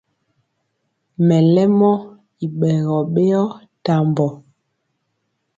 Mɛlɛmɔ i ɓɛgɔ ɓeyɔ tambɔ.